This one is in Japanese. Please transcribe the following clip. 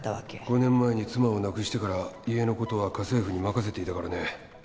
５年前に妻を亡くしてから家のことは家政婦に任せていたからね。